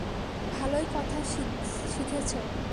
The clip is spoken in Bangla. ভালোই কথা শিখেছ।